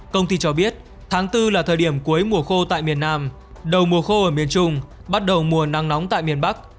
công ty cho biết tháng bốn là thời điểm cuối mùa khô tại miền nam đầu mùa khô ở miền trung bắt đầu mùa nắng nóng tại miền bắc